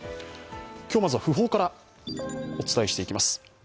今日、まずは訃報からお伝えしていきます。